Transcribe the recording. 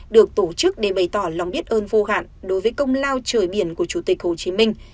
được tổ chức để bày tỏ lòng biết ơn vô hạn đối với công lao trời biển của chủ tịch hồ chí minh